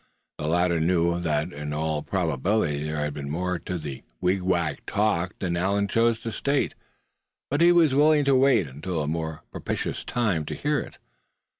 The latter knew that in all probability there had been more to the wigwag talk than Allan chose to state; but he was willing to wait until a more propitious time to hear it.